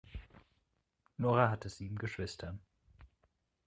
Nora hatte sieben Geschwister.